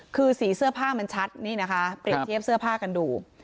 คือสีเสื้อผ้ามันชัดนี่นะคะเปรียบเทียบเสื้อผ้ากันดู